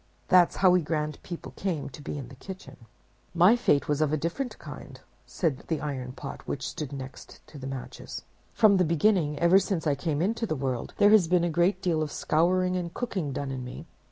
That's how we grand people came to be in the kitchen.' "'My fate was of different kind,' said the Iron Pot, which stood next to the Matches. 'From the beginning, ever since I came into the world, there has been a great deal of scouring and cooking done in me.